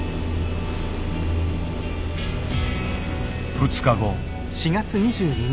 ２日後。